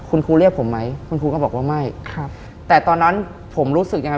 คุณครูเรียกผมไหมคุณครูก็บอกว่าไม่ครับแต่ตอนนั้นผมรู้สึกยังไง